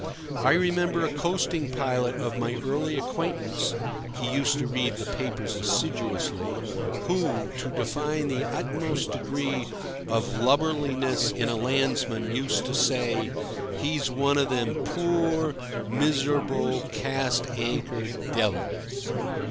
I remember a coasting pilot of my early acquaintance (he used to read the papers assiduously) who, to define the utmost degree of lubberliness in a landsman, used to say, "He's one of them poor, miserable 'cast anchor' devils."